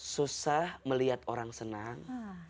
susah melihat orang senang